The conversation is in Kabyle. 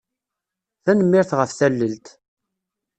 Tanemmirt ɣef tallelt.